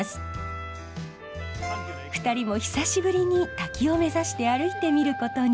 ２人も久しぶりに滝を目指して歩いてみることに。